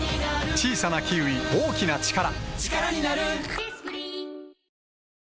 小さなキウイ、大きなチカラ